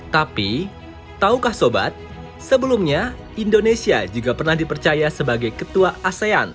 tapi tahukah sobat sebelumnya indonesia juga pernah dipercaya sebagai ketua asean